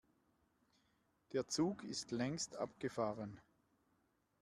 Der Zug ist längst abgefahren.